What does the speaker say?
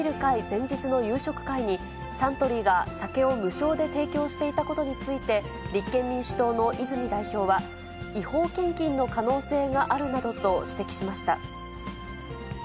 前日の夕食会に、サントリーが酒を無償で提供していたことについて、立憲民主党の泉代表は、違法献金の可能性があるなどと指摘しました。